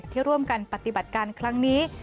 ที่ร่วมกันปฏิบัติการครั้งนี้